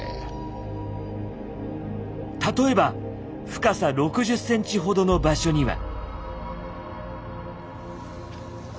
例えば深さ６０ｃｍほどの場所には。